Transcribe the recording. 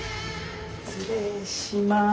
失礼します。